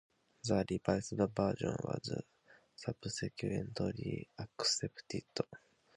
The revised version was subsequently accepted.